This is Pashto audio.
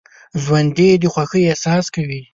ژوندي د خوښۍ احساس کوي